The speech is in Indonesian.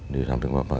di samping bapak